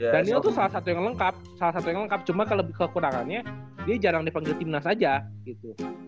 daniel tuh salah satu yang lengkap salah satu yang lengkap cuma kalau kekurangannya dia jarang dipanggil timnas saja gitu